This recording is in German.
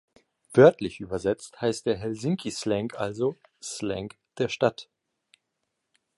Wörtlich übersetzt heißt der Helsinki-Slang also „Slang der Stadt“.